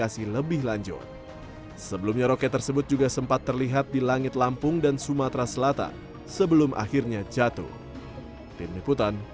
sebelumnya roket tersebut juga sempat terlihat di langit lampung dan sumatera selatan sebelum akhirnya jatuh